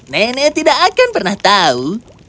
nenek tidak akan pernah tahu